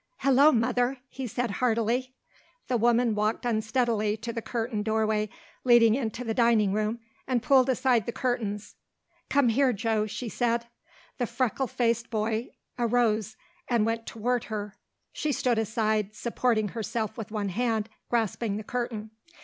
"Hello, Mother," he said heartily. The woman walked unsteadily to the curtained doorway leading into the dining room and pulled aside the curtains. "Come here, Joe," she said. The freckle faced boy arose and went toward her. She stood aside, supporting herself with one hand grasping the curtain.